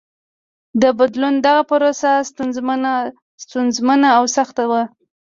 د بدلون دغه پروسه ستونزمنه او سخته وه.